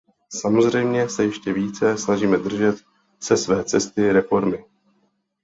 Samozřejmě se ještě více snažíme držet se své cesty reformy.